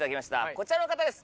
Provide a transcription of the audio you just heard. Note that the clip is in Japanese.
こちらの方です